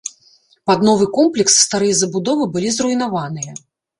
Пад новы комплекс старыя забудовы былі зруйнаваныя.